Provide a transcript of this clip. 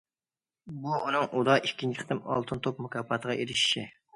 بۇ ئۇنىڭ ئۇدا ئىككىنچى قېتىم ئالتۇن توپ مۇكاپاتىغا ئېرىشىشى.